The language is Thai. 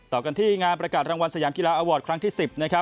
ต่อกันที่งานประกาศรางวัลสยามกีฬาอาวอร์ดครั้งที่๑๐นะครับ